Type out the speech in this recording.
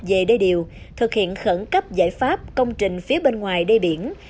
về đê điều thực hiện khẩn cấp giải pháp công trình phía bên ngoài đê biển